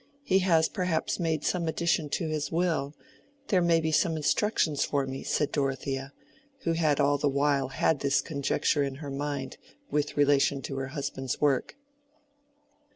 He has perhaps made some addition to his will—there may be some instructions for me," said Dorothea, who had all the while had this conjecture in her mind with relation to her husband's work.